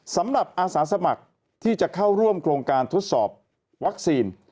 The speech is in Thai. สำหรับอาสาสมัครที่จะเข้าร่วมโครงการทดสอบวัคซีน